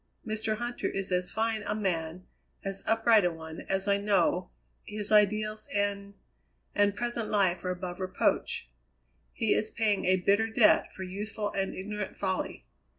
Mr. Huntter is as fine a man, as upright a one, as I know, his ideals and and present life are above reproach. He is paying a bitter debt for youthful and ignorant folly.